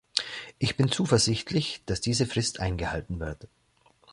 Ich bin zuversichtlich, dass diese Frist eingehalten wird.